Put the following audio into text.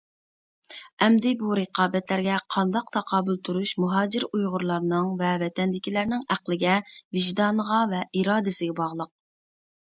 ئەمدى بۇ رىقابەتلەرگە قانداق تاقابىل تۇرۇش مۇھاجىر ئۇيغۇرلارنىڭ ۋە ۋەتەندىكىلەرنىڭ ئەقلىگە، ۋىجدانىغا ۋە ئىرادىسىگە باغلىق.